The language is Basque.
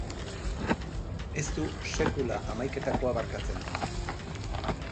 Ez du sekula hamaiketakoa barkatzen.